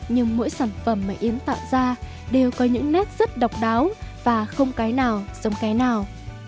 nhưng mỗi sản phẩm mà yến tạo ra đều có những nét rất độc đáo và không cái nào giống cái nào